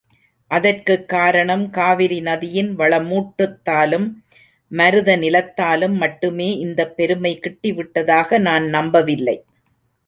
அதற்குக் காரணம் காவிரி நதியின் வளமூட்டத்தாலும், மருத நிலத்தாலும் மட்டுமே இந்தப் பெருமை கிட்டிவிட்டதாக நான் நம்பவில்லை.